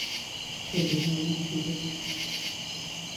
ফেরত আসা নারীদের বিষয়ে সরকারের করণীয় কী, তা নিয়ে আলোচনা চলছে।